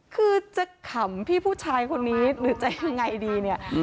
คือจะขำพี่ผู้ชายคนนี้หรือจะยังไงดีเนี่ย